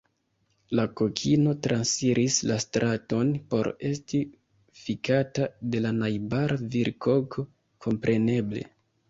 La kokino transiris la straton por esti fikata de la najbara virkoko, kompreneble.